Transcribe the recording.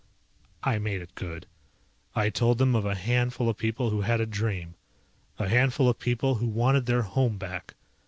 I made it good. I told them of a handful of people who had a dream. A handful of people who wanted their home back.